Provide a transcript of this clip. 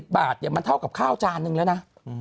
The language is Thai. บาทมันเท่ากับข้าวจานนึงแล้วนะ